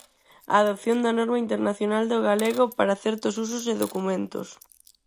Adopción da norma internacional do galego para certos usos e documentos.